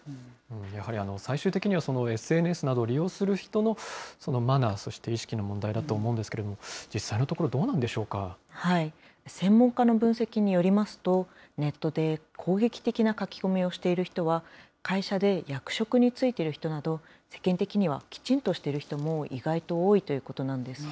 やはり、最終的にはＳＮＳなどを利用する人のマナー、そして意識の問題だと思うんですけれども、実際のところ、どうなんでし専門家の分析によりますと、ネットで攻撃的な書き込みをしている人は、会社で役職に就いている人など、世間的にはきちんとしている人も意外と多いということなんです。